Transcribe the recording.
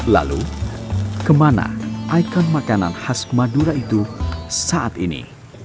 lalu kemana ikon makanan khas madura itu saat ini